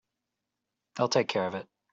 They'll take care of it.